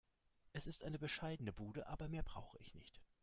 Es ist eine bescheidene Bude, aber mehr brauche ich nicht.